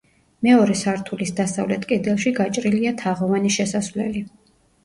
მეორე სართულის დასავლეთ კედელში გაჭრილია თაღოვანი შესასვლელი.